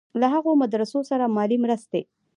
له هغو مدرسو سره مالي مرستې.